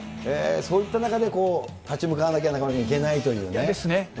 そういった中で立ち向かわなきゃ、中丸君、いけないというね。ですね。